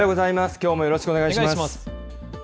きょうもよろしくお願いします。